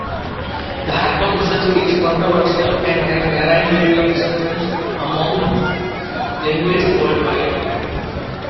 The hypothesis is controversial and has varying degrees of acceptance amongst linguists worldwide.